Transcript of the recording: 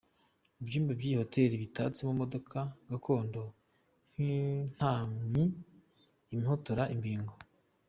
Ibyumba by’iyi hoteli bitatse mu budodo gakondo nk’intamyi, imihotora, imbingo.